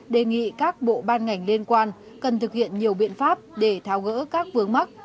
đề nghị các bộ ban ngành liên quan cần thực hiện nhiều biện pháp để thao ngỡ các vướng mắc